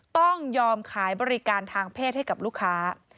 ต้องยอมขายบริการทางเพศให้กับลูกค้า